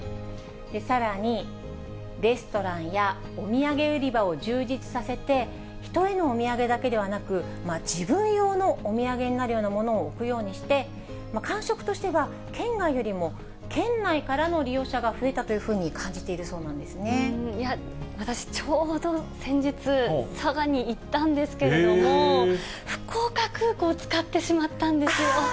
さらにレストランやお土産売り場を充実させて、人へのお土産だけでなく、自分用のお土産になるようなものを置くようにして、感触としては県外よりも県内からの利用者が増えたというふうに感いや、私、ちょうど先日、佐賀に行ったんですけれども、福岡空港を使ってしまったんですよ。